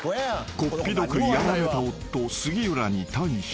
［こっぴどくやられた夫杉浦に対し］